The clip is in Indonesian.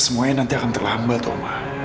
semuanya nanti akan terlambat toma